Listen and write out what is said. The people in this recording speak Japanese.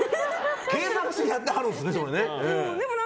計算してやってはるんですね。